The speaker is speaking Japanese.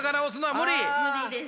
無理です。